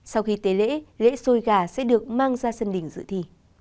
sau khi tế lễ lễ xuôi gà sẽ được mang ra sân đỉnh dự thi